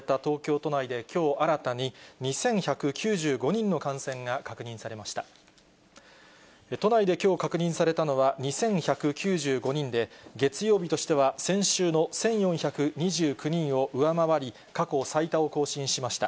都内できょう確認されたのは２１９５人で、月曜日としては先週の１４２９人を上回り、過去最多を更新しました。